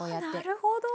なるほど。